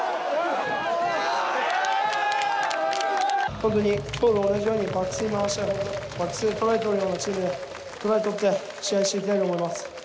本当に今日と同じようにバックスに回してバックスでトライ取るようなチームでトライ取って試合していきたいと思います。